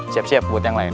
siap siap buat yang lain